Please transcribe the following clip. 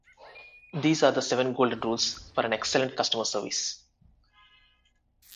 These are the seven golden rules for an excellent customer service.